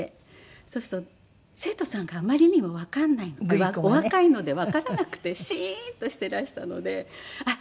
そうすると生徒さんがあまりにもわからないお若いのでわからなくてシーンとしてらしたのであっ